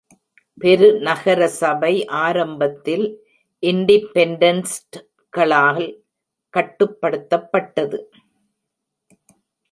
பெருநகர சபை ஆரம்பத்தில் இண்டிப்பென்டன்ட்களால் கட்டுப்படுத்தப்பட்டது.